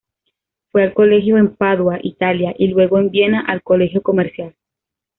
Fue al colegio en Padua, Italia, y luego en Viena al Colegio Comercial.